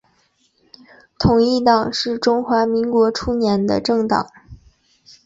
统一党是中华民国初年的政党。